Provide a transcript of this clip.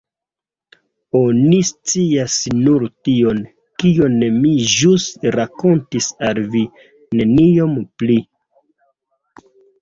Oni scias nur tion, kion mi ĵus rakontis al vi, neniom pli.